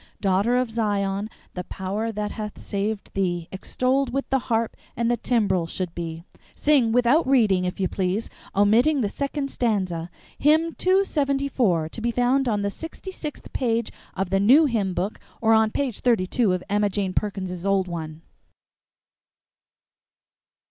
'Daughter of Zion, the power that hath saved thee Extolled with the harp and the timbrel should be.' "Sing without reading, if you please, omitting the second stanza. Hymn two seventy four, to be found on the sixty sixth page of the new hymn book or on page thirty two of Emma Jane Perkins's old one."